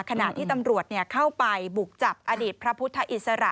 ขณะที่ตำรวจเข้าไปบุกจับอดีตพระพุทธอิสระ